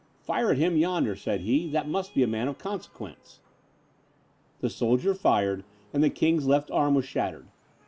"Fire at him yonder," said he, "that must be a man of consequence." The soldier fired, and the king's left arm was shattered.